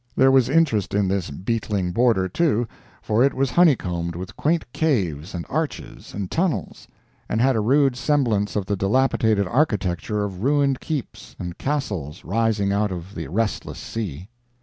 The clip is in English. There was interest in this beetling border, too, for it was honey combed with quaint caves and arches and tunnels, and had a rude semblance of the dilapidated architecture of ruined keeps and castles rising out of the restless sea.